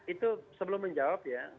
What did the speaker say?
itu sebelum menjawab ya